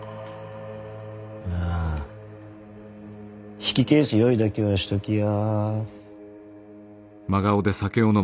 まあ引き返す用意だけはしときや。